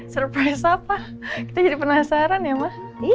surprise apa kita jadi penasaran ya mbak